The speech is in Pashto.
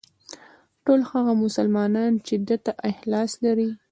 ټول هغه مسلمانان چې ده ته اخلاص لري.